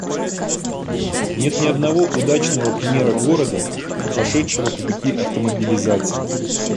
Нет ни одного удачного примера города, пошедшего по пути автомобилизации